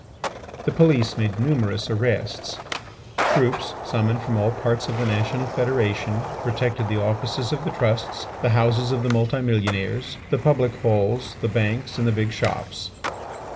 The police made numerous arrests. Troops summoned from all parts of the National Federation protected the offices of the Trusts, the houses of the multi millionaires, the public halls, the banks, and the big shops.